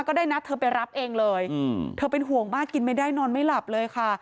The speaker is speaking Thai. ก็ได้นัดเธอไปรับเองเลยเธอเป็นห่วงมากกินไม่ได้นอนไม่หลับเลยค่ะ